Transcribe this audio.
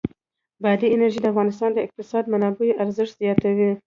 بادي انرژي د افغانستان د اقتصادي منابعو ارزښت زیاتوي.